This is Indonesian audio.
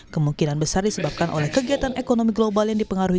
kemungkinan besar disebabkan oleh kegiatan ekonomi global yang dipengaruhi